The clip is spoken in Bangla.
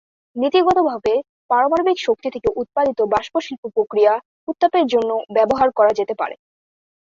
নীতিগতভাবে পারমাণবিক শক্তি থেকে উৎপাদিত বাষ্প শিল্প প্রক্রিয়া উত্তাপের জন্য ব্যবহার করা যেতে পারে।